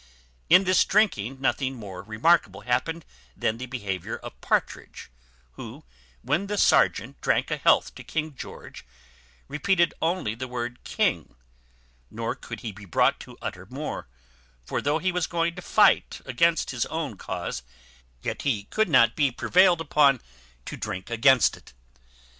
In this drinking nothing more remarkable happened than the behaviour of Partridge, who, when the serjeant drank a health to King George, repeated only the word King; nor could he be brought to utter more; for though he was going to fight against his own cause, yet he could not be prevailed upon to drink against it.